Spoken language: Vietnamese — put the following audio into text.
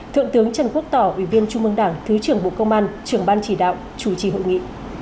thượng tướng trần quốc tỏ ủy viên trung mương đảng thứ trưởng bộ công an trưởng ban chỉ đạo chủ trì hội nghị